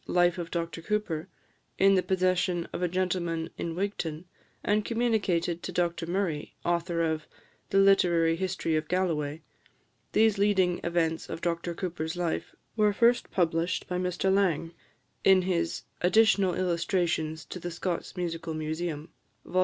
Life of Dr Couper, in the possession of a gentleman in Wigton, and communicated to Dr Murray, author of "The Literary History of Galloway," these leading events of Dr Couper's life were first published by Mr Laing, in his "Additional Illustrations to the Scots Musical Museum," vol.